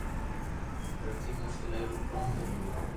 درزي ما سلائي رو ڪوم ھي